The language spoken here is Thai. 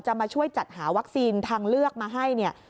จะมาช่วยจัดหาวัคซีนทางเลือกมาให้